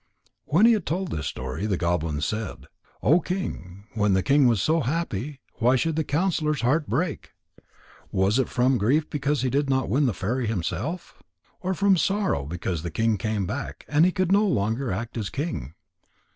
When he had told this story, the goblin said: "O King, when the king was so happy, why should the counsellor's heart break? Was it from grief because he did not win the fairy himself? Or from sorrow because the king came back, and he could no longer act as king?